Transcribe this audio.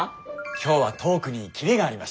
今日はトークにキレがありましたね。